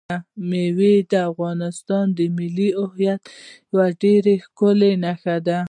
مېوې د افغانستان د ملي هویت یوه ډېره ښکاره نښه ده.